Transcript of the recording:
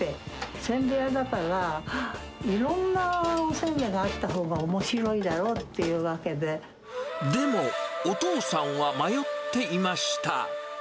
せんべい屋だから、いろんなおせんべいがあったほうがおもしろいでも、お父さんは迷っていました。